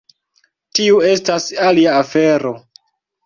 Tiu estas alia afero.